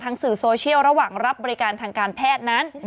สื่อโซเชียลระหว่างรับบริการทางการแพทย์นั้น